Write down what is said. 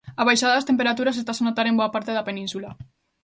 A baixada das temperaturas estase a notar en boa parte da Península.